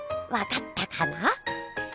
わかったかな？